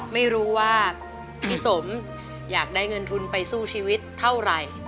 ไม่รู้ว่าพี่สมอยากได้เงินทุนไปสู้ชีวิตเท่าไหร่